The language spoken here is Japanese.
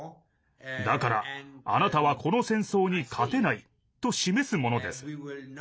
だから、あなたはこの戦争に勝てないと示すものです。